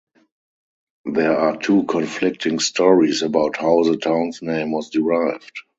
There are two conflicting stories about how the town's name was derived.